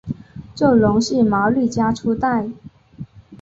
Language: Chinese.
就隆系毛利家初代。